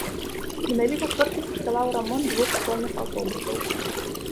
Менавіта столькі каштаваў рамонт двух школьных аўтобусаў.